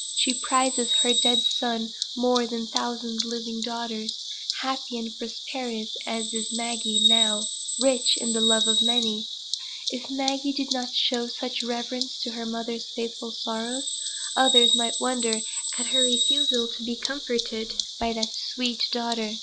She prizes her dead son more than a thousand living daughters, happy and prosperous as is Maggie now rich in the love of many. If Maggie did not show such reverence to her mother's faithful sorrows, others might wonder at her refusal to be comforted by that sweet daughter.